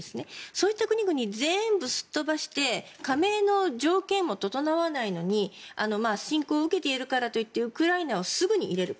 そういった国々全部すっ飛ばして加盟の条件も整わないのに侵攻を受けているからといってウクライナをすぐに入れる。